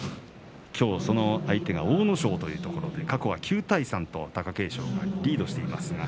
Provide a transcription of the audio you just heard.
きょうはその相手が阿武咲というところで過去は９対３と貴景勝がリードしています。